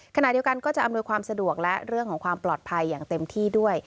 ขณะเดียวกันก็จะอำนวยความสะดวกและเรื่องของความปลอดภัยอย่างเต็มที่ด้วย